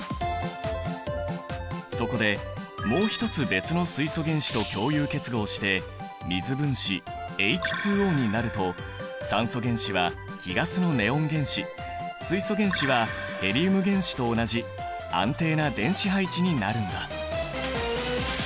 そこでもう一つ別の水素原子と共有結合して水分子ＨＯになると酸素原子は貴ガスのネオン原子水素原子はヘリウム原子と同じ安定な電子配置になるんだ。